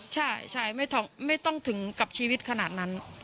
ใช่ไม่ต้องถึงกับชีวิตขนาดนั้น